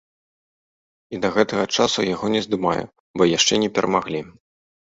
І да гэтага часу яго не здымаю, бо яшчэ не перамаглі.